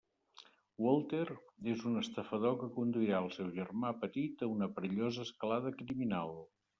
Walter és un estafador que conduirà al seu germà petit a una perillosa escalada criminal.